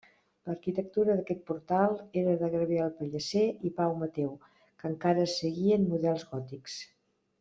L'arquitectura d'aquest portal era de Gabriel Pellicer i Pau Mateu, que encara seguien models gòtics.